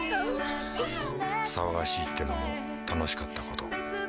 騒がしいってのも楽しかったこと